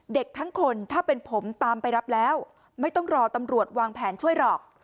เด็กทั้งคนถ้าเป็นผมตามไปรับแล้วไม่ต้องรอตำรวจวางแผนช่วยหรอก